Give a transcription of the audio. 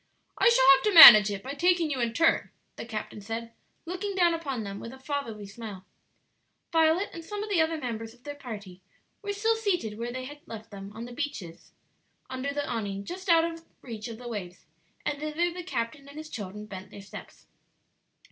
"I shall have to manage it by taking you in turn," the captain said, looking down upon them with a fatherly smile. Violet and some of the other members of their party were still seated where they had left them on the benches under the awning just out of reach of the waves, and thither the captain and his children bent their steps.